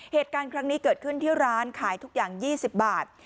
เหตุการณ์ครั้งนี้เกิดขึ้นที่ร้านขายทุกอย่าง๒๐บาท